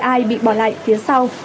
ai bị bỏ lại phía sau